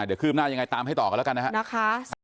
เดี๋ยวคืบหน้ายังไงตามให้ต่อกันแล้วกันนะครับ